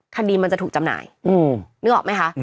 คดีมันจะถูกจำหน่ายนึกออกไหมคะ